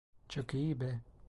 Çok iyi be.